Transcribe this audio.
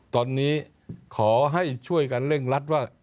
ตอนนี้ขอให้ช่วยกันเร่งรัดว่า